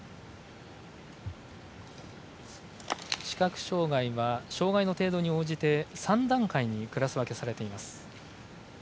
視覚障がいは障がいの程度に応じて３段階にクラス分けされています。